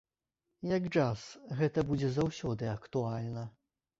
Як джаз, гэта будзе заўсёды актуальна.